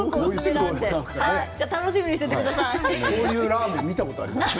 こういうラーメン見たことある。